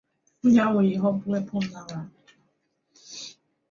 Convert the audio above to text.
厚木停车区是位于神奈川县厚木市的首都圈中央连络自动车道之休息站。